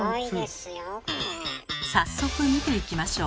早速見ていきましょう。